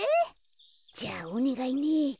じゃあおねがいね。